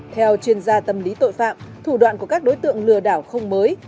theo chuyên gia tâm lý tội phạm thủ đoạn của các đối tượng lừa đảo không mới